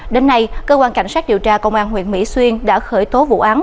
đến nay cơ quan cảnh sát điều tra công an huyện mỹ xuyên đã khởi tố vụ án